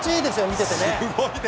見ててね。